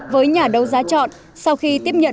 với nhà đấu giá chọn